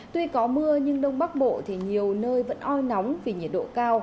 tuy có mưa nhưng đông bắc bộ thì nhiều nơi vẫn oi nóng vì nhiệt độ cao